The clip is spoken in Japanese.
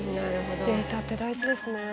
データって大事ですね。